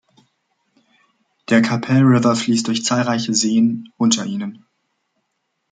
Der Qu’Appelle River durchfließt zahlreiche Seen, unter ihnen